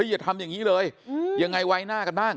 อย่าทำอย่างนี้เลยยังไงไว้หน้ากันบ้าง